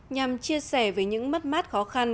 nhằm chia sẻ với những mất mát khó khăn